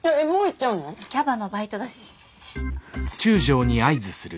キャバのバイトだし。